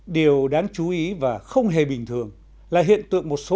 điều đáng chú ý và không hề bình thường là hiện nay các bài viết của nguyễn quang trường hoàng duy hùng